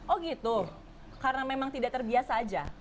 oh gitu karena memang tidak terbiasa aja